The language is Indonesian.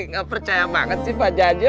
gak percaya banget sih pak jajak